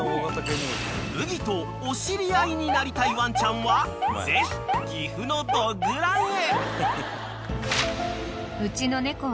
［麦とお尻合いになりたいワンちゃんはぜひ岐阜のドッグランへ］